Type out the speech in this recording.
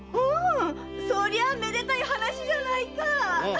そりゃあめでたい話じゃないか！